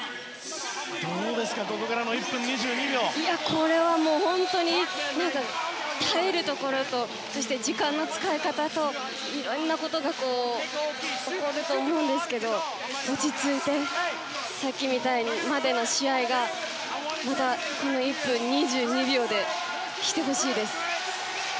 これはもう本当に耐えるところとそして、時間の使い方といろんなことが起こると思うんですけど落ち着いて、さっきみたいに今までの展開がまた、この１分２２秒で来てほしいです。